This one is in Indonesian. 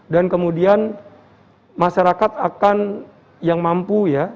dan kemudian masyarakat akan yang mampu ya